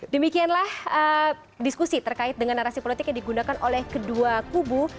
demikianlah diskusi terkait dengan narasi politik yang digunakan oleh kedua kubu